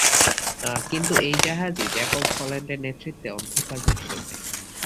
কিন্তু এই জাহাজই, জ্যাকব হল্যান্ডের নেতৃত্বে, অন্ধকারকে ভেদ করবে।